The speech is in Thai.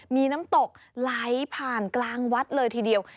มีน้ำตกไหลผ่านกลางวัดเลยทีเดียว